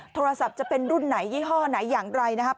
โทรศัพท์จะเป็นรุ่นไหนยี่ห้อไหนอย่างไรนะครับ